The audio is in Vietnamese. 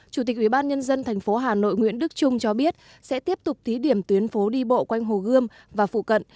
chủ tịch ủy ban nhân dân thành phố hà nội nguyễn đức trung cho biết sẽ tiếp tục thí điểm tuyến phố đi bộ quanh hồ gươm và phụ cận